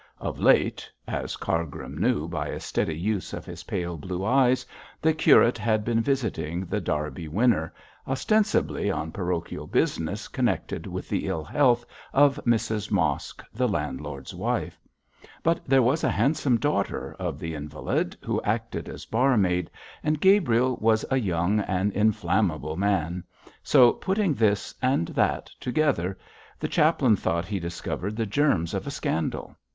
Of late as Cargrim knew by a steady use of his pale blue eyes the curate had been visiting The Derby Winner, ostensibly on parochial business connected with the ill health of Mrs Mosk, the landlord's wife. But there was a handsome daughter of the invalid who acted as barmaid, and Gabriel was a young and inflammable man; so, putting this and that together, the chaplain thought he discovered the germs of a scandal.